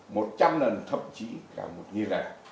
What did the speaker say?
một trăm lần thậm chí cả một nhi lần